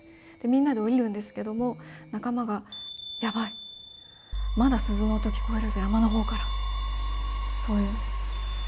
みんなで降りるんですけれども、仲間がヤバい、まだ鈴の音聞こえるぞ、山のほうから、そういうんですね。